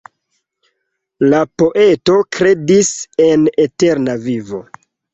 La poeto kredis en eterna vivo.